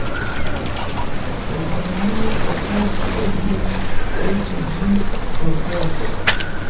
En romia epoko eblis eĉ ĝis Kordovo.